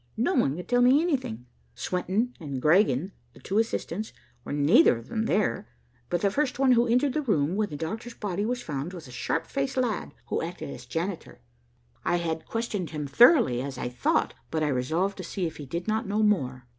No one could tell me anything. Swenton and Griegen, the two assistants, were neither of them there, but the first one who had entered the room when the doctor's body was found was a sharp faced lad who acted as janitor. I had questioned him thoroughly, as I thought, but I resolved to see if he did not know more.